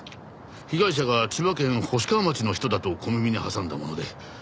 被害者が千葉県星川町の人だと小耳に挟んだもので。